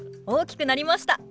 大きくなりました！